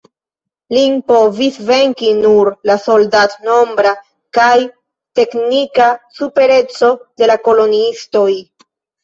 Lin povis venki nur la soldat-nombra kaj teknika supereco de la koloniistoj.